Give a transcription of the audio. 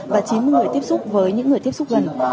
và chín người tiếp xúc với những người tiếp xúc gần